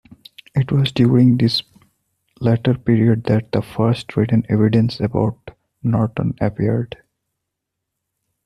It was during this latter period that the first written evidence about Norton appeared.